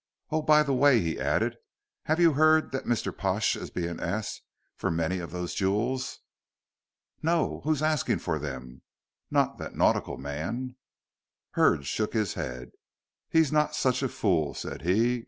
Oh, by the way," he added, "have you heard that Mr. Pash is being asked for many of those jewels?" "No. Who are asking for them? Not that nautical man?" Hurd shook his head. "He's not such a fool," said he.